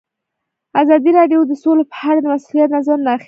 ازادي راډیو د سوله په اړه د مسؤلینو نظرونه اخیستي.